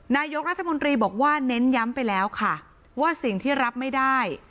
นายกรัฐมนตรีบอกว่าเน้นย้ำไปแล้วค่ะว่าสิ่งที่รับไม่ได้